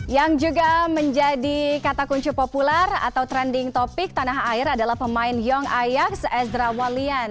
yang juga menjadi kata kunci populer atau trending topic tanah air adalah pemain yong ayaks ezra walian